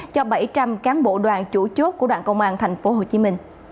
cho bảy trăm linh cán bộ đoàn chủ chốt của đoàn công an tp hcm